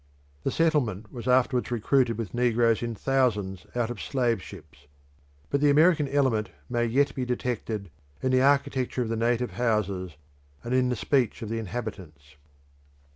The settlement was afterwards recruited with negroes in thousands out of slave ships; but the American element may yet be detected in the architecture of the native houses and in the speech of the inhabitants.